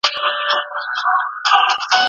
که انتيک پلورونکي ساعت نه وای کتلی.